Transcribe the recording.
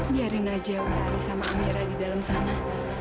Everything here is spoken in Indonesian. biarkan saja utari dan amira di dalam sana